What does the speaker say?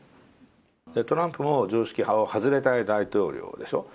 トランプも常識派を外れたい大統領でしょ。